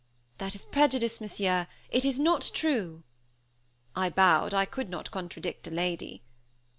"That is prejudice, Monsieur; it is not true." I bowed; I could not contradict a lady.